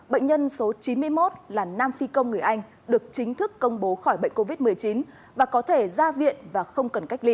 bệnh nhân số chín mươi một là nam phi công người anh được chính thức công viên